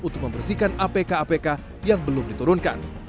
untuk membersihkan apk apk yang belum diturunkan